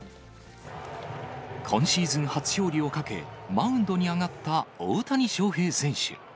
今シーズン初勝利をかけ、マウンドに上がった大谷翔平選手。